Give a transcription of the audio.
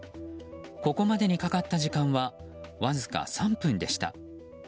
ここまでにかかった時間はわずか３分でした。